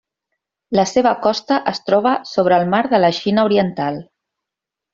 La seva costa es troba sobre el mar de la Xina Oriental.